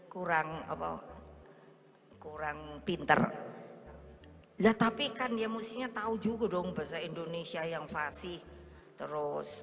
kurang apa kurang pinter lah tapi kan ya mestinya tahu juga dong bahasa indonesia yang fasih terus